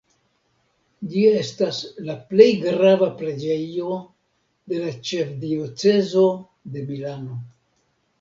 Ĝi estas la plej grava preĝejo de la ĉefdiocezo de Milano.